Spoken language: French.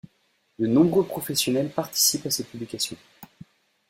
De nombreux professionnels participent à cette publication.